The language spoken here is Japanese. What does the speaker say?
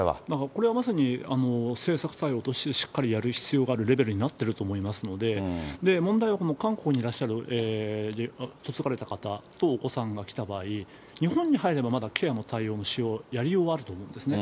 これはまさに政策対応としてしっかりやる必要があるレベルになっていると思いますので、問題はこの韓国にいらっしゃる、嫁がれた方とお子さんが来た場合、日本に入ればまだケアも対応もやりようはあると思うんですね。